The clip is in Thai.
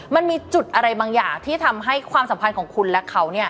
มันมีจุดอะไรบางอย่างที่ทำให้ความสัมพันธ์ของคุณและเขา